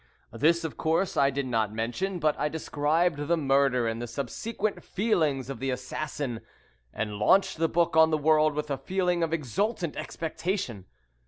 This, of course, I did not mention, but I described the murder and the subsequent feelings of the assassin, and launched the book on the world with a feeling of exultant expectation.